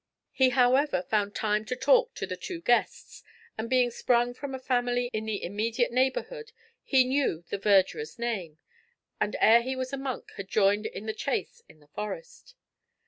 He however found time to talk to the two guests, and being sprung from a family in the immediate neighbourhood, he knew the verdurer's name, and ere he was a monk, had joined in the chase in the Forest.